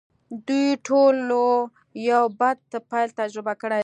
دوی ټولو یو بد پیل تجربه کړی دی